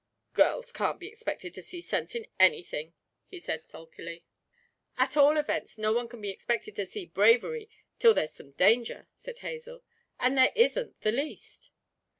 'Girls can't be expected to see sense in anything,' he said sulkily. 'At all events, no one can be expected to see bravery till there's some danger,' said Hazel; 'and there isn't the least!'